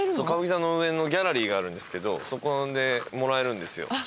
歌舞伎座の上のギャラリーがあるんですけどそこでもらえるんですよ。